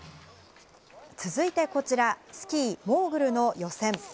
続いてこちら、スキーモーグルの予選。